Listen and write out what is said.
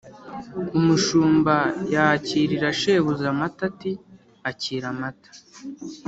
umushumba yakirira shebuja amata ati: “akira amata”,